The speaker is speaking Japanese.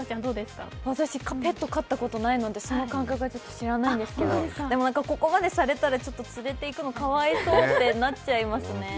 私ペット飼ったことがないのでその感覚知らないんですけどでも、ここまでされたらちょっと連れていくのかわいそうってなっちゃいますね。